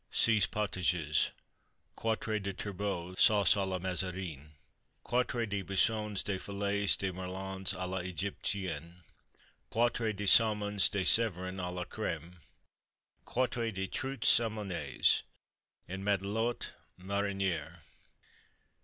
Seize Potages. Quatre de Turbots, Sauce à la Mazarin. Quatre de Buissons de Filets de Merlans à l'Egyptienne. Quatre de Saumons de Severn à la Crême. Quatre de Truites Saumonées en Matelotte Marinière.